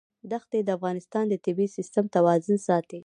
دښتې د افغانستان د طبعي سیسټم توازن ساتي.